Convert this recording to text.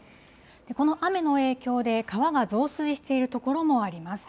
この雨の影響で、川が増水している所もあります。